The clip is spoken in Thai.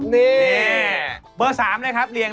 ต้องทำเป็นสามกษัตริย์นะ